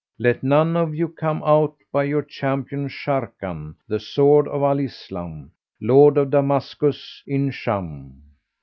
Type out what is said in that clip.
let none of you come out but your champion Sharrkan, the Sword of Al Islam, Lord of Damascus in Shám[FN#393]!"